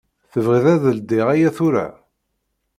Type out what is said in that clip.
Tebɣiḍ ad ldiɣ aya tura?